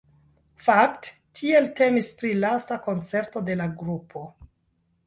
Fakte tiel temis pri lasta koncerto de la grupo.